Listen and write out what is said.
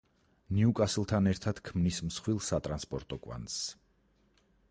ნიუკასლთან ერთად ქმნის მსხვილ სატრანსპორტო კვანძს.